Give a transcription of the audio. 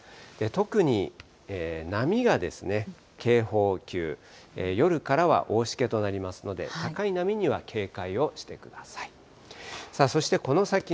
特に波が警報級、夜からは大しけとなりますので、高い波には警戒をしてください。